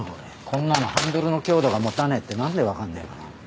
こんなのハンドルの強度がもたねぇって何でわかんねぇかな。